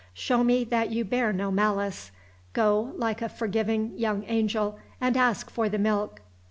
Show me that you bear no malice. Go, like a forgiving young angel, and ask for the milk."